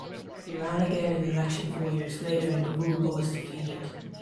He ran again in the election four years later in Groulx but was defeated.